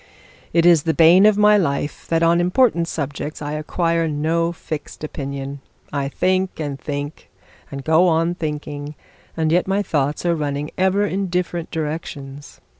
'It is the bane of my life that on important subjects I acquire no fixed opinion. I think, and think, and go on thinking; and yet my thoughts are running over in different directions.